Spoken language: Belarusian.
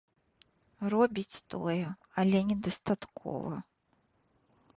Робіць тое, але недастаткова.